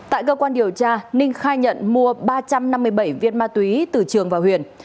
tại cơ quan điều tra ninh khai nhận mua ba trăm năm mươi bảy viên ma túy từ trường và huyền